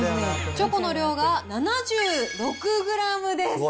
チョコの量が７６グラムです。